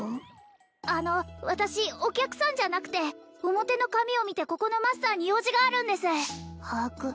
あの私お客さんじゃなくて表の紙を見てここのマスターに用事があるんです把握